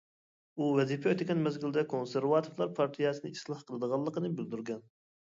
ئۇ ۋەزىپە ئۆتىگەن مەزگىلدە كونسېرۋاتىپلار پارتىيەسىنى ئىسلاھ قىلىدىغانلىقىنى بىلدۈرگەن.